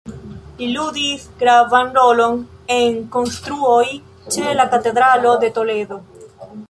Li ludis gravan rolon en konstruoj ĉe la Katedralo de Toledo.